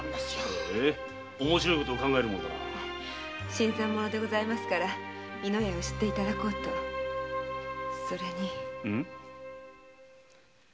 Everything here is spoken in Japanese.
新参者でございますから美乃屋を知っていただこうとそれに。